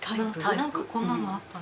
なんかこんなのあったね